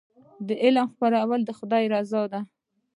د علم خپرول د خدای رضا ده.